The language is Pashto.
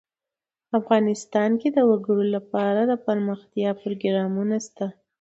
افغانستان کې د وګړي لپاره دپرمختیا پروګرامونه شته.